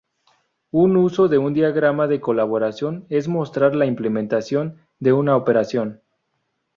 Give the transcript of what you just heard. Un uso de un diagrama de colaboración es mostrar la implementación de una operación.